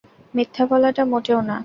মিথ্যা বলাটা, মোটেও না।